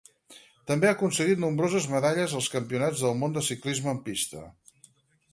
També ha aconseguit nombroses medalles als Campionats del Món de Ciclisme en pista.